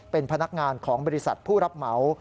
เป็นพนักงานของบริษัทผู้รับเหมา